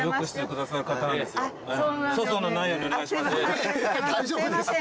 いや大丈夫です。